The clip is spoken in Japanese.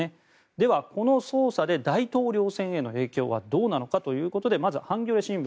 では、この捜査で大統領選への影響はどうなのかということでまずハンギョレ新聞。